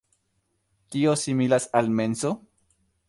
Tio similas al menso.